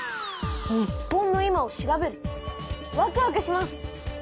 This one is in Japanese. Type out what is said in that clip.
日本の今を調べるワクワクします！